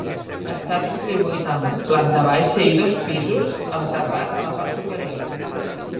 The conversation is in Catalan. Està distribuït en planta baixa i dos pisos, amb terrat a la part superior.